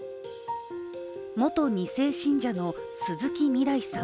元２世信者の鈴木みらいさん。